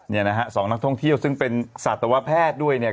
เนี่ยนะฮะสองนักท่องเที่ยวซึ่งเป็นสัตวแพทย์ด้วยเนี่ย